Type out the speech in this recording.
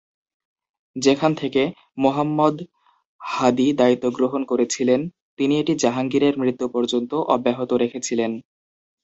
যেখান থেকে, মুহাম্মদ হাদী দায়িত্ব গ্রহণ করেছিলেন, তিনি এটি জাহাঙ্গীরের মৃত্যু পর্যন্ত অব্যাহত রেখেছিলেন।